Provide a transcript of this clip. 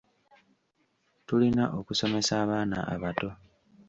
Tulina okusomesa abaana abato.